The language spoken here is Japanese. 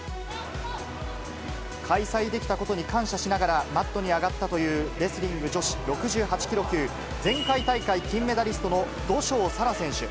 開催できたことに感謝しながら、マットに上がったというレスリング女子６８キロ級、前回大会、金メダリストの土性沙羅選手。